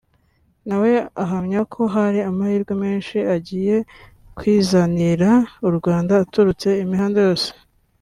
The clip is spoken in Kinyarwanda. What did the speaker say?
nawe ahamya ko hari amahirwe menshi agiye kwizanira u Rwanda aturutse imihanda yose